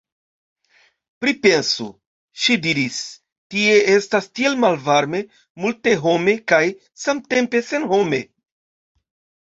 Pripensu, ŝi diris, tie estas tiel malvarme, multehome kaj samtempe senhome.